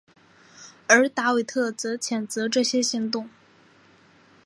而达维特则谴责这些行动。